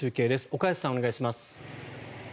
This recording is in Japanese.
岡安さん、お願いします。